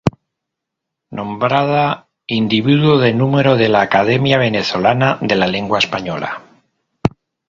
Nombrada Individuo de número de la Academia Venezolana de la Lengua Española